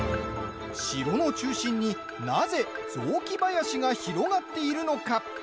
城の中心になぜ雑木林が広がっているのか？